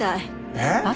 えっ？